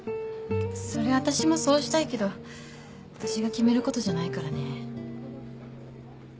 そりゃ私もそうしたいけど私が決めることじゃないからね。